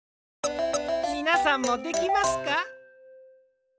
みなさんもできますか？